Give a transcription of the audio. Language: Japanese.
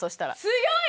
強い！